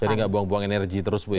jadi nggak buang buang energi terus bu ya